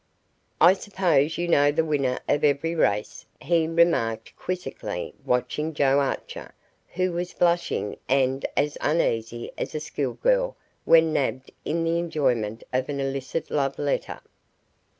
"I suppose you know the winner of every race," he remarked, quizzically watching Joe Archer, who was blushing and as uneasy as a schoolgirl when nabbed in the enjoyment of an illicit love letter.